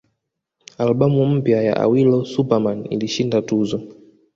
Albamu mpya ya Awilo Super Man ilishinda tuzo